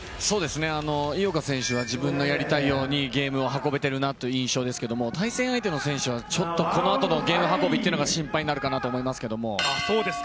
井岡選手は自分のやりたいようにゲームを運べているなと思いますけど対戦相手の選手はちょっとこのあとのゲーム運びが心配になるかなと思いますけども。